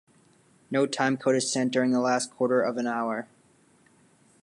No time code is sent during the last quarter of an hour.